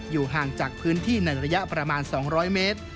ห่างจากพื้นที่ในระยะประมาณ๒๐๐เมตร